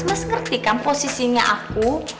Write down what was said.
mas ngerti kan posisinya aku